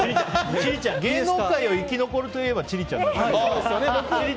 芸能界を生き残るといえば千里ちゃんです。